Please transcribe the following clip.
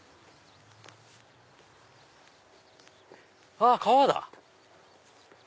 あっ川だ！